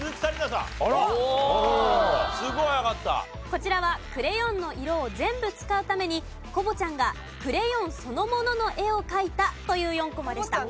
こちらはクレヨンの色を全部使うためにコボちゃんがクレヨンそのものの絵を描いたという４コマでした。